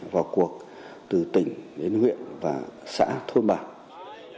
vào cuộc từ tỉnh đến huyện và xã thôn bản